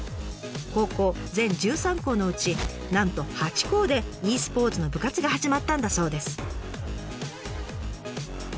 高校全１３校のうちなんと８校でｅスポーツの部活が始まったんだそうです。